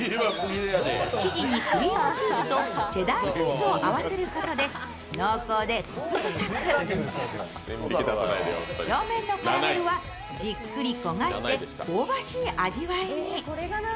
生地にクリームチーズとチェダーチーズを合わせることで濃厚でコク深く表面のカラメルはじっくり焦がして香ばしい味わいに。